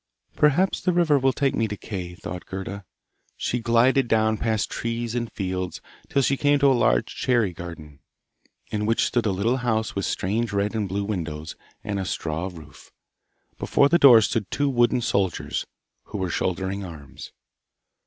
'Perhaps the river will take me to Kay,' thought Gerda. She glided down, past trees and fields, till she came to a large cherry garden, in which stood a little house with strange red and blue windows and a straw roof. Before the door stood two wooden soldiers, who were shouldering arms.